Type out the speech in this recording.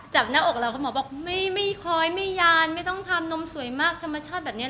หน้าอกเราคุณหมอบอกไม่คล้อยไม่ยานไม่ต้องทำนมสวยมากธรรมชาติแบบนี้